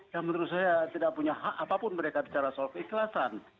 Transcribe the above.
yang menurut saya tidak punya hak apapun mereka bicara soal keikhlasan